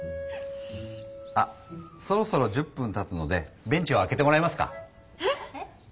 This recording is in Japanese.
あそろそろ１０分たつのでベンチをあけてもらえますか？